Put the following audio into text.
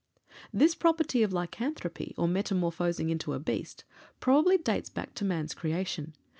This property of lycanthropy, or metamorphosing into a beast, probably dates back to man's creation.